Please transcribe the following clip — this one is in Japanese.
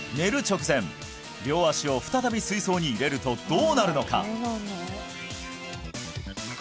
直前両足を再び水槽に入れるとどうなるのか？